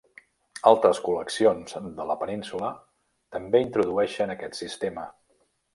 Altres col·leccions de la península també introdueixen aquest sistema.